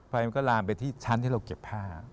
มันก็ลามไปที่ชั้นที่เราเก็บผ้า